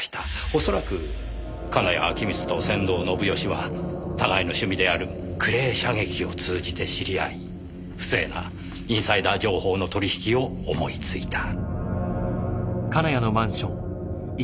おそらく金谷陽充と仙道信義は互いの趣味であるクレー射撃を通じて知り合い不正なインサイダー情報の取引を思いついた。